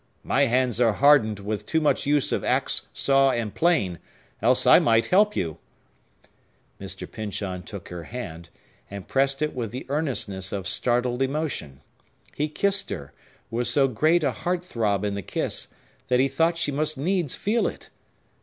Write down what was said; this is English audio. My hands are hardened with too much use of axe, saw, and plane,—else I might help you!" Mr. Pyncheon took her hand, and pressed it with the earnestness of startled emotion. He kissed her, with so great a heart throb in the kiss, that he thought she must needs feel it.